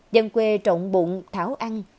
dân quê trộn bụng thảo ăn